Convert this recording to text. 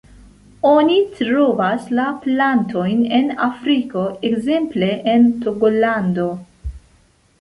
Oni trovas la plantojn en Afriko ekzemple en Togolando.